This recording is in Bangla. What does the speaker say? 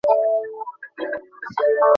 কথাটা আবার বলতে পারবে?